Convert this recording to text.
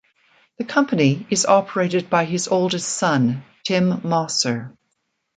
The company is operated by his oldest son, Tim Mosser.